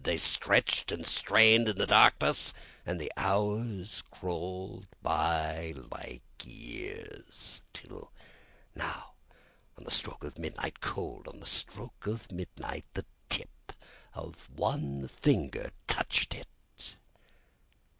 They stretched and strained in the darkness, and the hours crawled by like years, Till, on the stroke of midnight, Cold on the stroke of midnight, The tip of one finger touched it!